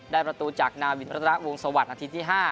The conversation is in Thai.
ได้ประตูจากนาวิทย์รัฐรักษ์วงศวรรษนัดที่๕